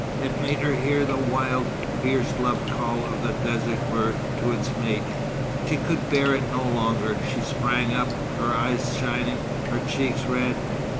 It made her hear the wild, fierce love call of a desert bird to its mate. She could bear it no longer. She sprang up, her eyes shining, her cheeks red.